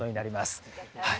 はい。